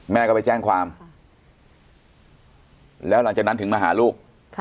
แม่ก็ไปแจ้งความแล้วหลังจากนั้นถึงมาหาลูก